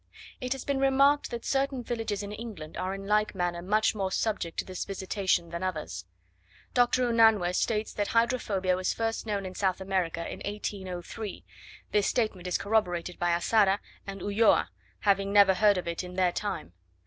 It has been remarked that certain villages in England are in like manner much more subject to this visitation than others. Dr. Unanue states that hydrophobia was first known in South America in 1803: this statement is corroborated by Azara and Ulloa having never heard of it in their time.